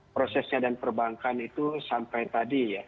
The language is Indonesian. prosesnya dan perbankan itu sampai tadi ya